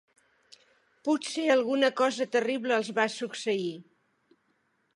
Potser alguna cosa terrible els va succeir.